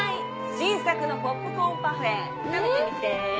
新作のポップコーンパフェ食べてみて。